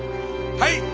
はい！